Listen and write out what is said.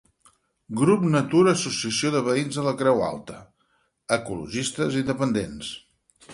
Grup Natura Associació de Veïns de la Creu Alta: ecologistes independents.